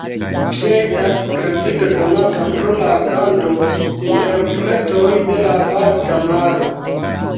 Ŝi estas precipe konata pro la kanto-interpretoj de la Balta Maro.